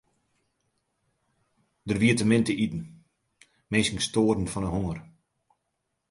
Der wie te min te iten, minsken stoaren fan 'e honger.